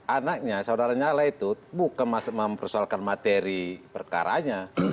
anaknya saudara nyala itu bukan mempersoalkan materi perkaranya